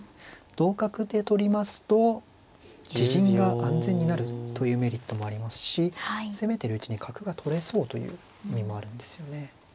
同角で取りますと自陣が安全になるというメリットもありますし攻めてるうちに角が取れそうという意味もあるんですよね。